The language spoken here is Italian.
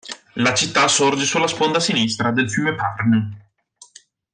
La città sorge sulla sponda sinistra del fiume Pärnu.